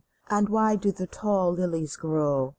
And why do the tall lilies grow